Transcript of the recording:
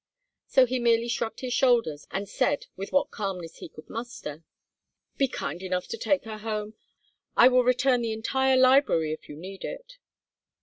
So he merely shrugged his shoulders and said, with what calmness he could muster: "Be kind enough to take her home. I will return the entire library if you need it."